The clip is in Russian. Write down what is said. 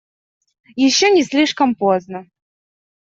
Еще не слишком поздно.